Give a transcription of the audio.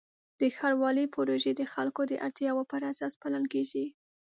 د ښاروالۍ پروژې د خلکو د اړتیاوو پر اساس پلان کېږي.